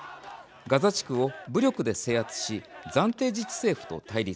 ガザ地区を武力で制圧し暫定自治政府と対立